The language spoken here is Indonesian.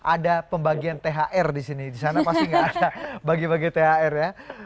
ada pembagian thr di sini di sana pasti gak ada bagian bagian thr ya